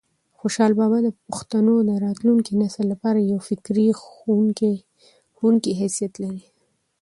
خوشحال بابا د پښتنو د راتلونکي نسل لپاره د یو فکري ښوونکي حیثیت لري.